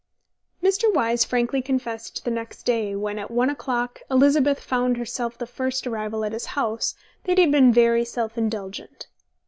Mr. Wyse frankly confessed the next day when, at one o'clock, Elizabeth found herself the first arrival at his house, that he had been very self indulgent.